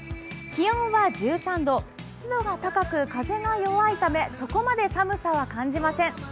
気温は１３度、湿度が高く風が弱いためそこまで寒さは感じません。